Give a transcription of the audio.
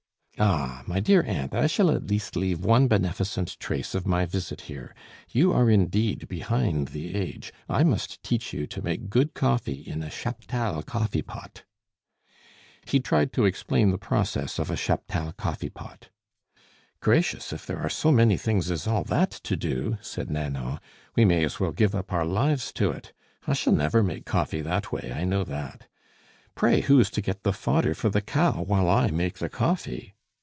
"Ah! my dear aunt, I shall at least leave one beneficent trace of my visit here. You are indeed behind the age! I must teach you to make good coffee in a Chaptal coffee pot." He tried to explain the process of a Chaptal coffee pot. "Gracious! if there are so many things as all that to do," said Nanon, "we may as well give up our lives to it. I shall never make coffee that way; I know that! Pray, who is to get the fodder for the cow while I make the coffee?"